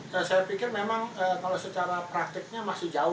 saya pikir memang kalau secara praktiknya masih jauh